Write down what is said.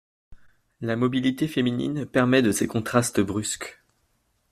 La mobilité féminine permet de ces contrastes brusques.